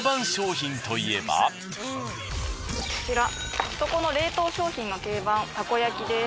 コストコの冷凍商品の定番たこ焼です。